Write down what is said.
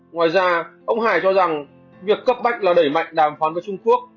ngoài ra ông hải cho rằng việc cấp bách là đẩy mạnh đàm phán với trung quốc